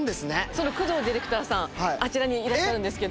そのクドウディレクターさんあちらにいらっしゃるんですけど。